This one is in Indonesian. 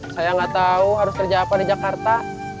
saya gak tau harus kerja apa di jakarta